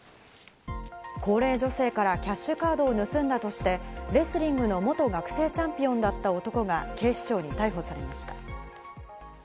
高齢女性からキャッシュカードを盗んだとして、レスリングの元学生チャンピオンだった男が警視庁に逮捕されました。